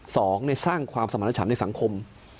สองสร้างความสมรรถฉันในสังคม